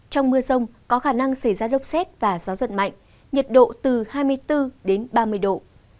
trong mưa rông có khả năng xảy ra lốc xét và gió giật mạnh nhiệt độ từ hai mươi bốn đến ba mươi độ